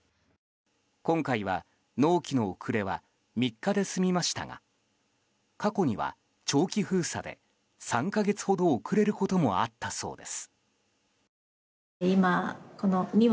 今回は納期の遅れは３日で済みましたが過去には長期封鎖で３か月ほど遅れることもあったそうです。